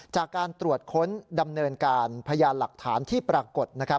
จากการตรวจค้นดำเนินการพยานหลักฐานที่ปรากฏ